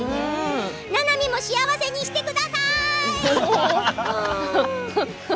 ななみも幸せにしてください！